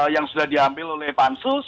yang sudah diambil oleh pansus